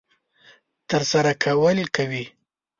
ترسره کول کوي.